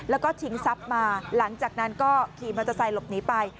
แล้วก็ทิ้งทรัพย์มาหลังจากนั้นก็ขี่มันจะใส่หลบหนีไป